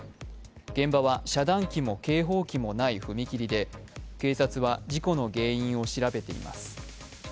現場は遮断機も警報機もない踏切で警察は事故の原因を調べています。